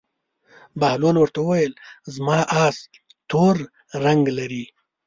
بهلول ورته وویل: زما اس تور رنګ لري.